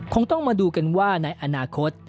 คงต้องมาดูกันว่าในอนาคต